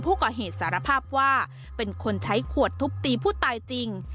ผู้ก่อเหตุสารภาพว่าเป็นคนใช้ขวดทุบตีผู้ตายจริง